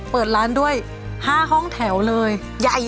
เปิดร้านด้วย๕ห้องแถวเลยใหญ่